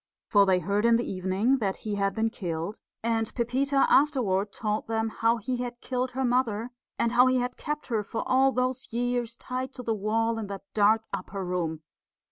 For they heard in the evening that he had been killed; and Pepita afterward told them how he had killed her mother, and how he had kept her for all those years tied to the wall in that dark upper room.